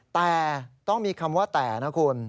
แต่ต้องมีคำว่าแต่นะคุณ